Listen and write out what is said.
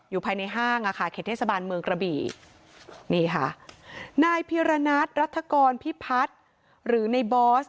อยู่ภายในห้างเขตเทศบาลเมืองกระบี่นายพิรณัทรัฐกรพิพัฒน์หรือในบอส